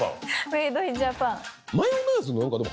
メイド・イン・ジャパン。